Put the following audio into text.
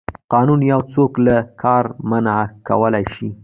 قانون یو څوک له کار منع کولی شي.